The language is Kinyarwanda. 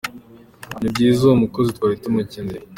Ni byiza uwo mukozi twari tumukeneye.